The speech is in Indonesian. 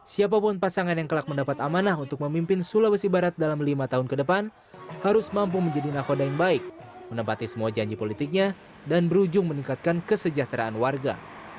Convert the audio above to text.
siapapun pasangan yang kelak mendapat amanah untuk memimpin sulawesi barat dalam lima tahun ke depan harus mampu menjadi nakoda yang baik menempati semua janji politiknya dan berujung meningkatkan kesejahteraan warga